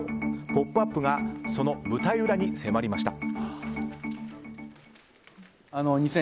「ポップＵＰ！」がその舞台裏に迫りました。